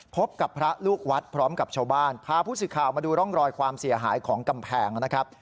พบกับพระลูกวัดพร้อมกับชาวบ้านพาผู้สื่อข่าวมาดูร่องรอยความเสียหายของกำแพงนะครับ